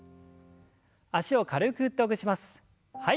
脚を軽く振ってほぐします。